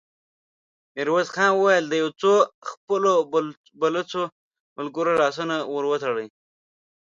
ميرويس خان وويل: د يو څو خپلو بلوڅو ملګرو لاسونه ور وتړئ!